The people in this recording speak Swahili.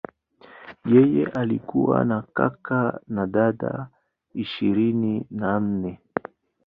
Yeye alikuwa na kaka na dada ishirini na nne.